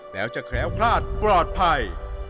แล้วจะแคล้วคลาดปลอดภัย